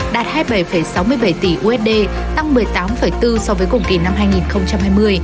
đạt hai mươi bảy sáu mươi bảy tỷ usd tăng một mươi tám bốn so với cùng kỳ năm hai nghìn hai mươi